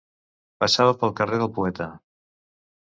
Passava pel carrer del poeta;